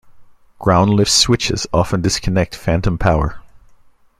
Ground lift switches often disconnect phantom power.